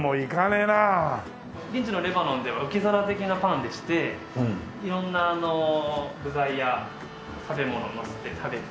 現地のレバノンでは受け皿的なパンでして色んな具材や食べ物をのせて食べる。